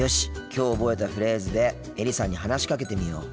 きょう覚えたフレーズでエリさんに話しかけてみよう。